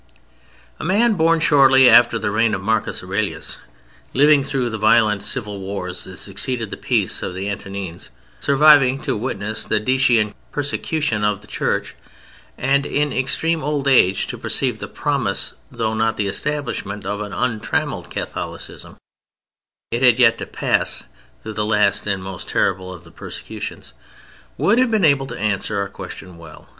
A man born shortly after the reign of Marcus Aurelius, living through the violent civil wars that succeeded the peace of the Antonines, surviving to witness the Decian persecution of the Church and in extreme old age to perceive the promise, though not the establishment, of an untrammelled Catholicism (it had yet to pass through the last and most terrible of the persecutions), would have been able to answer our question well.